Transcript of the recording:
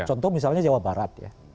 contoh misalnya jawa barat ya